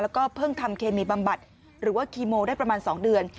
แล้วก็เพิ่งทำเคมีบำบัดหรือว่าคีโมได้ประมาณ๒เดือน